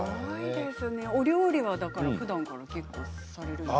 お料理はふだんからするんですか。